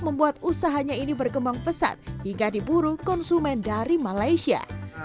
membuat usahanya ini berkembang pesat hingga diburu konsumen dari malaysia